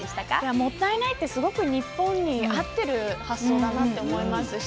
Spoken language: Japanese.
もったいないってすごく日本に合っている発想だなって思いますし。